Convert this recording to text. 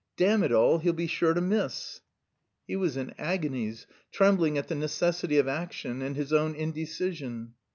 Damn it all, he'll be sure to miss!" He was in agonies, trembling at the necessity of action and his own indecision.